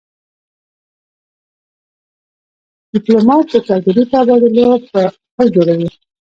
ډيپلومات د کلتوري تبادلو پل جوړوي.